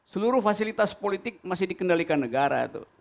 seluruh fasilitas politik masih dikendalikan negara